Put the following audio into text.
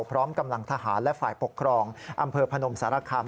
พร้อมกำลังทหารและฝ่ายปกครองอำเภอพนมสารคาม